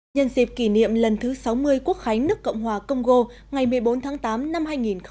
nhân dịp kỷ niệm lần thứ sáu mươi quốc khánh nước cộng hòa công gô ngày một mươi bốn tháng tám năm hai nghìn hai mươi